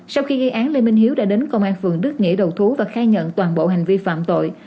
sau khi gây án lê minh hiếu đã đến công an phường đức nghĩa đầu thú và khai nhận toàn bộ hành vi phạm tội